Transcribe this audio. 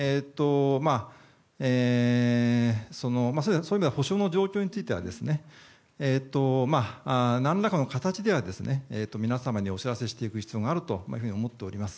そういう意味では補償の状況については何らかの形では皆様にお知らせしていく必要があると思っております。